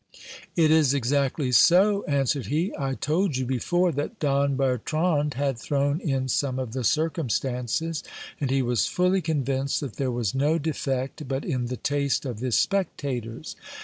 It is exactly so, answered he : I told you before that Don Bertrand had thrown in some of the circum stances ; and he was fully convinced that there was no defect but in the taste of the spectators.